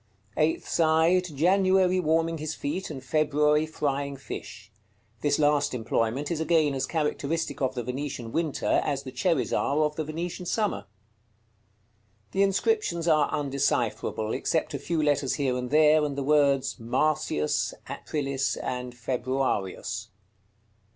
Eighth side. January warming his feet, and February frying fish. This last employment is again as characteristic of the Venetian winter as the cherries are of the Venetian summer. The inscriptions are undecipherable, except a few letters here and there, and the words MARCIUS, APRILIS, and FEBRUARIUS.